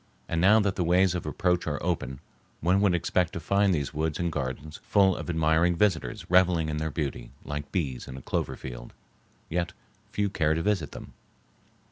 And now that the ways of approach are open one would expect to find these woods and gardens full of admiring visitors reveling in their beauty like bees in a clover field. Yet few care to visit them.